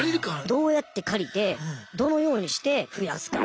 どうやって借りてどのようにして増やすか。